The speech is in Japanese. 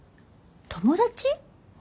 友達？